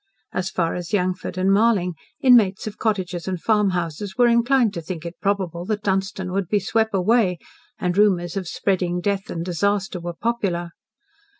As far as Yangford and Marling inmates of cottages and farmhouses were inclined to think it probable that Dunstan would be "swep away," and rumours of spreading death and disaster were popular.